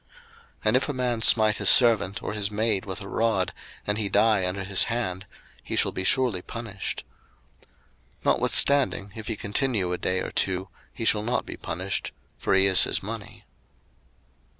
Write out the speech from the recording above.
02:021:020 And if a man smite his servant, or his maid, with a rod, and he die under his hand; he shall be surely punished. 02:021:021 Notwithstanding, if he continue a day or two, he shall not be punished: for he is his money.